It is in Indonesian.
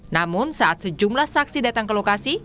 namun saat sejumlah saksi datang ke lokasi